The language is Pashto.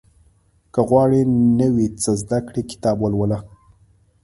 • که غواړې نوی څه زده کړې، کتاب ولوله.